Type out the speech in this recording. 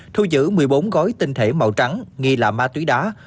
thu giữ một mươi bốn gói tinh thể màu trắng nghi là ma túy đá